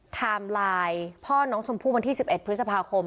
ไทม์ไลน์พ่อน้องชมพู่วันที่๑๑พฤษภาคม